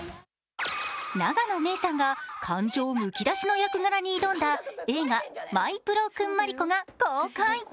永野芽郁さんが感情むき出しの役柄に挑んだ映画「マイ・ブロークン・マリコ」が公開。